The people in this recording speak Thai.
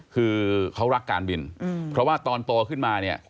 คือเขารักการบินเพราะว่าตอนโตขึ้นมาเนี่ย